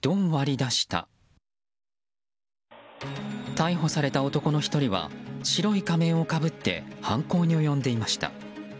逮捕された男の１人は白い仮面をかぶって犯行に及んでいました。